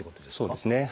そうですね。